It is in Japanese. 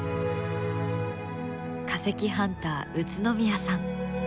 化石ハンター宇都宮さん。